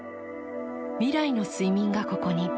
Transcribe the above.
未来の睡眠がここに。